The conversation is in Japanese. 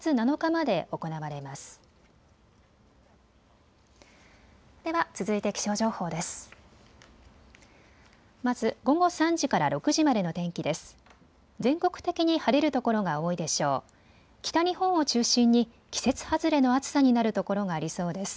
まず午後３時から６時までの天気です。